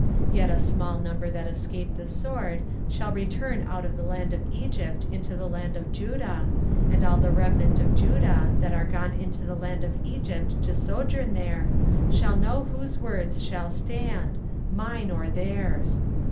24:044:028 Yet a small number that escape the sword shall return out of the land of Egypt into the land of Judah, and all the remnant of Judah, that are gone into the land of Egypt to sojourn there, shall know whose words shall stand, mine, or their's.